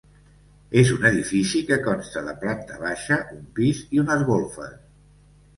És un edifici que consta de planta baixa, un pis i unes golfes.